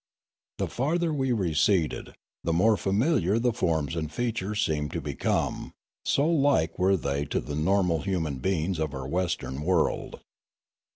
The farther we re ceded, the more familiar the forms and features seemed to become, so like were they to the normal human be ings of our Western world.